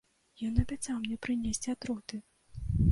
Ён абяцаў мне прынесці атруты!